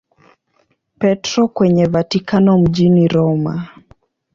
Petro kwenye Vatikano mjini Roma.